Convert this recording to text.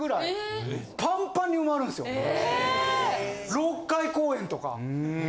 ・６回公演とか。